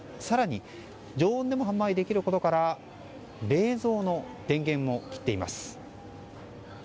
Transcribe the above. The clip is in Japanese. さらに常温でも販売できることから冷蔵の電源も切っています。